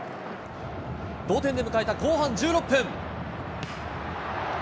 同点で迎えた後半１６分。